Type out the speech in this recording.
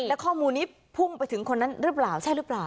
และข้อมูลนี้พุ่งไปถึงคนนั้นหรือเปล่าใช่หรือเปล่า